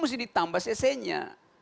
mesti ditambah cc nya